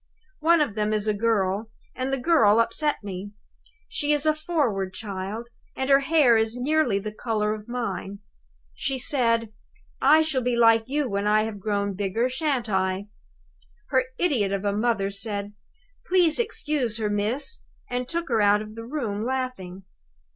One of them is a girl, and the girl upset me. She is a forward child, and her hair is nearly the color of mine. She said, 'I shall be like you when I have grown bigger, shan't I?' Her idiot of a mother said, 'Please to excuse her, miss,' and took her out of the room, laughing.